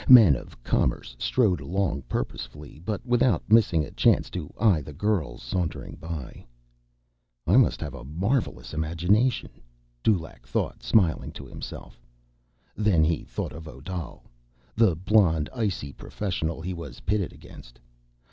Men of commerce strode along purposefully, but without missing a chance to eye the girls sauntering by. I must have a marvelous imagination, Dulaq thought smiling to himself. Then he thought of Odal, the blond, icy professional he was pitted against.